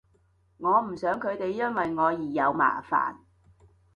我唔想佢哋因為我而有麻煩